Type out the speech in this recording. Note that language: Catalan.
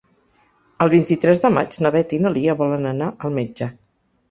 El vint-i-tres de maig na Beth i na Lia volen anar al metge.